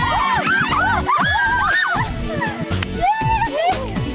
aduh aduh aduh gini